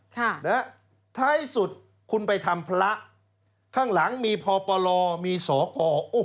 ค่ะนะฮะท้ายสุดคุณไปทำพระข้างหลังมีพปลมีสก